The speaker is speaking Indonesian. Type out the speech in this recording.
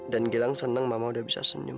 dan gilang seneng mama udah bisa senyum